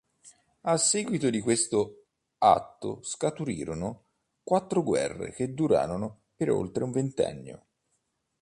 A seguito di questo atto scaturirono quattro guerre che durarono per oltre un ventennio.